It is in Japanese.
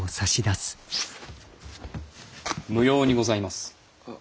無用にございます。